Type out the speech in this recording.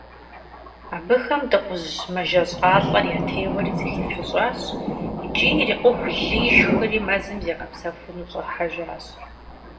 Абыхэм дыгъужь мэжэщӀалӀэр ятеуэри, зэхифыщӀащ икӀи ирикъуху лы ишхри, мэзым зигъэпсэхуну щӀыхьэжащ.